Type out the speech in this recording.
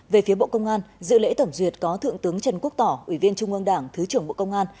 về phía bộ công an dự lễ tổng duyệt có thượng tướng trần quốc tỏ ủy viên trung ương đảng thứ trưởng bộ công an